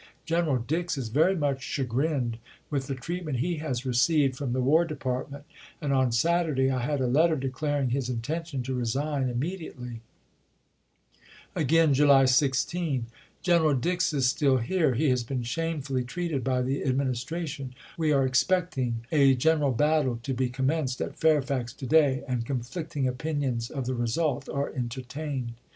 General Dix is very much chagrined with the treatment he has received from the War Department, and on Saturday I had a let ter declaring his intention to resign immediately. "North American Review," Nov., 1879, p. 480. Again, July 16 : General Dix is still here. He has been shamefully treated by the Administration. We are expecting a gen eral battle to be commenced at Fairfax to day, and con flicting opinions of the result are entertained.